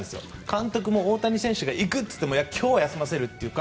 監督も大谷選手が行くって言っても今日は休ませるというか。